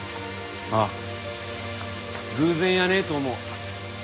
ああ偶然やねえと思う。